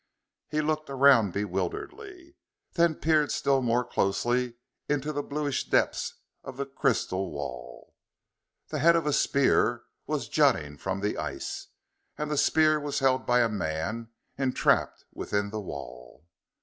He looked around bewilderedly, then peered still more closely into the bluish depths of the crystal wall. The head of a spear was jutting from the ice. And the spear was held by a man entrapped within the wall.